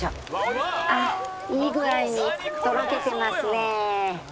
あっいい具合にとろけてますね。